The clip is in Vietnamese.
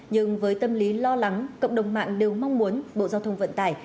nhưng với tâm lý lo lắng cộng đồng mạng đều mong muốn bộ giao thông vận tải